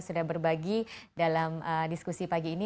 sudah berbagi dalam diskusi pagi ini